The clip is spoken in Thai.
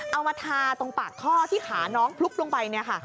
เอามาทาตรงปากท่อที่ขาน้องพลุบลงไป